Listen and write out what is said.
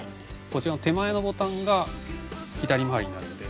こちらの手前のボタンが左回りになるので。